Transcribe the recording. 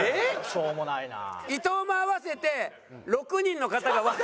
しょうもないなあ。